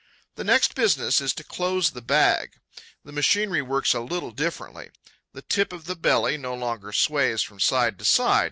The next business is to close the bag. The machinery works a little differently. The tip of the belly no longer sways from side to side.